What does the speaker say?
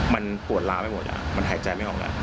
มันปวดล้าไปหมดมันหายใจไม่ออกแล้ว